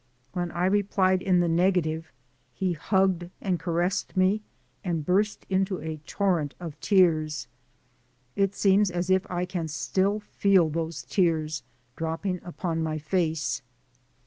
When I replied in the negative, he hugged and caressed me and burst into a torrent of tears. It seems as if I can still feel those tears dropping upon my face.